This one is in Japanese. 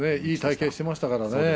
いい体形をしていましたからね。